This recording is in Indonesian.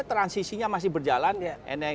transisinya masih berjalan ya